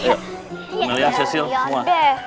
ayo amelia cecil semua